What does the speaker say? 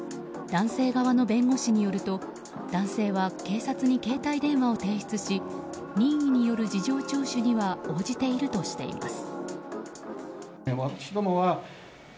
男性側の弁護士によると男性は警察に携帯電話を提出し任意による事情聴取には応じているとしています。